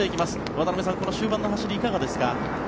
渡辺さん、この終盤の走りいかがですか？